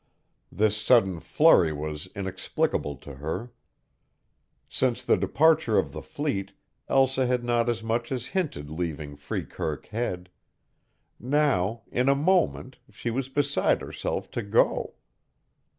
This sudden flurry was inexplicable to her. Since the departure of the fleet Elsa had not as much as hinted leaving Freekirk Head. Now, in a moment, she was beside herself to go.